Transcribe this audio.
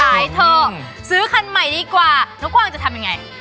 เธอซื้อคันใหม่ดีกว่าน้องกวางจะทำยังไง